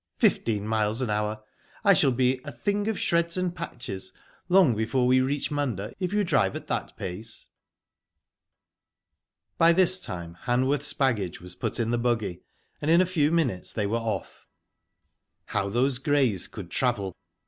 "Fifteen miles an hour! I shall be *a thing of shreds and patches,' long before we reach Munda, if you drive at that pace." By this time Hanworth's baggage was put in the buggy, and in a few minutes they were off. How those greys could travel.